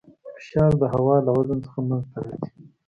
فشار د هوا له وزن څخه منځته راځي.